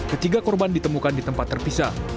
ketiga korban ditemukan di tempat terpisah